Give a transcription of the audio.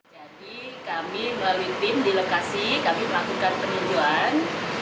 jadi kami melalui tim di lokasi kami melakukan penunjuan